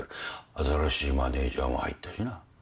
新しいマネジャーも入ったしな。